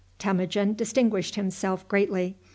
Temujin distinguished himself greatly.